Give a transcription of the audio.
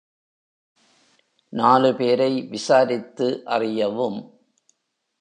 நாலு பேரை விசாரித்து அறியவும்.